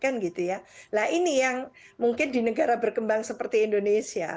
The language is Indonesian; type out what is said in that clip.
nah ini yang mungkin di negara berkembang seperti indonesia